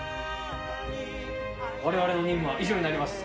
我々の任務は以上になります